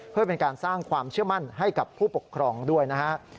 เพื่อเป็นการสร้างความเชื่อมั่นให้กับผู้ปกครองด้วยนะฮะ